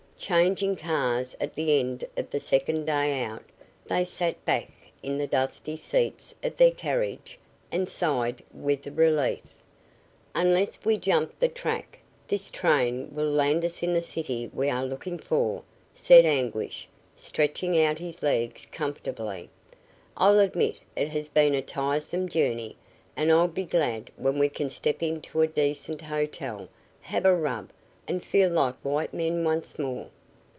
Changing cars at the end of the second day out, they sat back in the dusty seats of their carriage and sighed with relief. "Unless we jump the track, this train will land us in the city we are looking for," said Anguish, stretching out his legs comfortably. "I'll admit it has been a tiresome journey, and I'll be glad when we can step into a decent hotel, have a rub, and feel like white men once more.